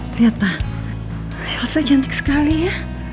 pak lihat pak elsa cantik sekali ya